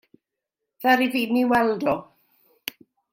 Ddaru fi 'm i weld o.